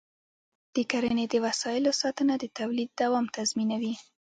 د کرنې د وسایلو ساتنه د تولید دوام تضمینوي.